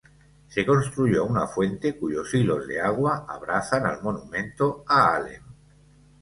Se construyó una fuente cuyos hilos de agua "abrazan" al monumento a Alem.